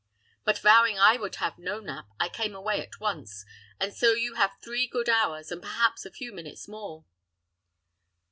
But, vowing I would have no nap, I came away at once; and so you have three good hours, and perhaps a few minutes more."